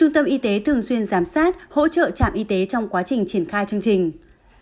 trung tâm y tế thường xuyên giám sát hỗ trợ trạm y tế trong quá trình triển khai chương trình